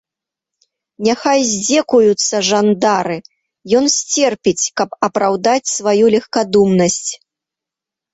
Няхай здзекуюцца жандары, ён сцерпіць, каб апраўдаць сваю легкадумнасць.